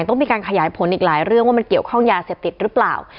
ต้องมีการขยายผลอีกหลายเรื่องว่ามันเกี่ยวข้องยาเสพติดหรือเปล่า